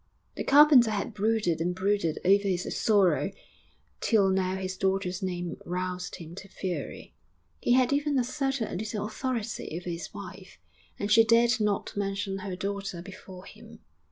The carpenter had brooded and brooded over his sorrow till now his daughter's name roused him to fury. He had even asserted a little authority over his wife, and she dared not mention her daughter before him.